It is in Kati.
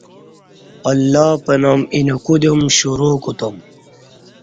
اللہ پنام اینہ کودیوم شروع کوتوم